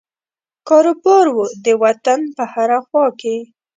کاروبار وو د وطن په هره خوا کې.